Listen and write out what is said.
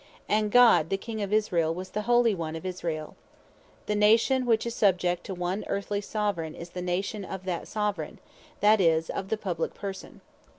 And God the King of Israel was the Holy One of Israel. The Nation which is subject to one earthly Soveraign, is the Nation of that Soveraign, that is, of the Publique Person.